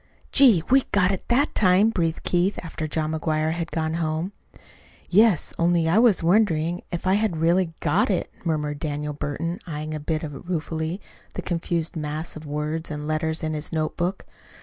"Gee! we got it that time!" breathed Keith, after John McGuire had gone home. "Yes; only I was wondering if I had really got it," murmured Daniel Burton, eyeing a bit ruefully the confused mass of words and letters in his notebook.